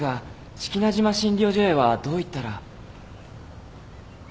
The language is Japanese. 志木那島診療所へはどう行ったら？